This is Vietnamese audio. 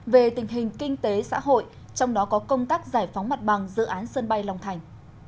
về tình hình kinh tế xã hội trong đó có công tác giải phóng mặt bằng dự án sân bay long thành